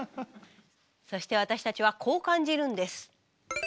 そして私たちはこう感じるんです。